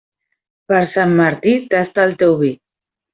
Per Sant Martí, tasta el teu vi.